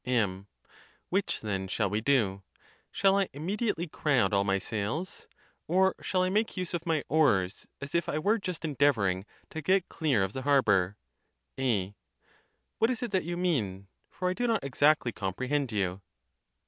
M. Which, then, shall we do? Shall I immediately crowd all my sails? or shall I make use of my oars, as if I were just endeavoring to get clear of the harbor? 132 THE TUSCULAN DISPUTATIONS. A, What is it that you mean, for I do not exactly com prehend you?